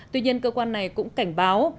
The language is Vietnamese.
tuy nhiên cơ quan này cũng cảnh báo